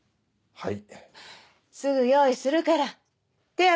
はい！